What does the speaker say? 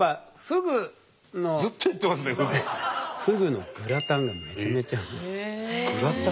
ふぐのグラタンがめちゃめちゃうまい。